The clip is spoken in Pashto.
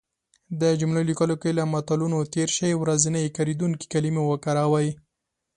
د جملو لیکلو کې له متلونو تېر شی. ورځنی کارېدونکې کلمې وکاروی